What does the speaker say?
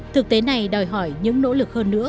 thực tế này đòi hỏi những nỗ lực hơn nữa